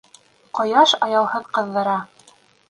Ҡояш аяуһыҙ ҡыҙҙыра.